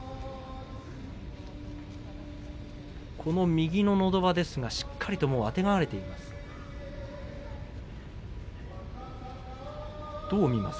右ののど輪ですがしっかりあてがわれています。